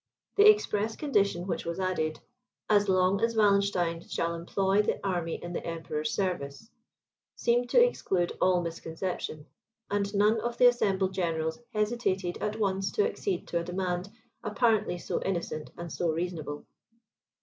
The express condition which was added, "AS LONG AS WALLENSTEIN SHALL EMPLOY THE ARMY IN THE EMPEROR'S SERVICE," seemed to exclude all misconception, and none of the assembled generals hesitated at once to accede to a demand, apparently so innocent and so reasonable.